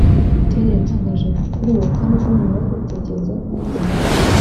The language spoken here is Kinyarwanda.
Terry yatangaje kuri uyu wa Kane ko nyuma yo kubitekerezaho neza